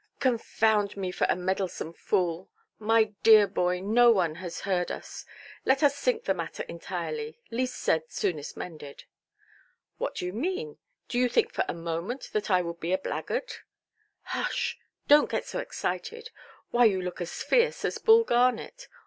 "Confound me for a meddlesome fool! My dear boy, no one has heard us. Let us sink the matter entirely. Least said, soonest mended". "What do you mean? Do you think for a moment that I would be a blackguard"? "Hush!—donʼt get so excited. Why, you look as fierce as Bull Garnet.